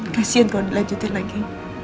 kasian kalau dilanjutin lagi